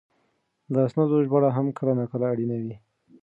د اسنادو ژباړه هم کله ناکله اړینه وي.